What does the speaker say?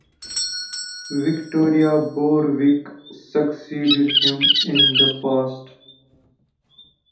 Victoria Borwick succeeded him in the post.